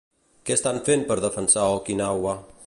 Què estan fent per defensar Okinawa?